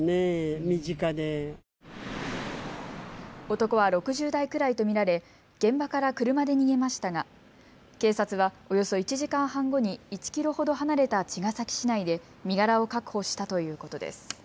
男は６０代くらいと見られ現場から車で逃げましたが警察はおよそ１時間半後に１キロほど離れた茅ヶ崎市内で身柄を確保したということです。